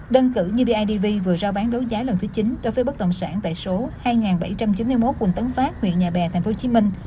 đơn cử như bidv vừa rao bán đấu giá lần thứ chín đối với bất động sản tại số hai nghìn bảy trăm chín mươi một quỳnh tấn phát huyện nhà bè tp hcm